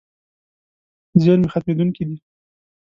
زیرمې ختمېدونکې دي.